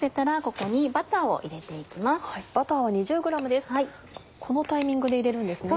このタイミングで入れるんですね。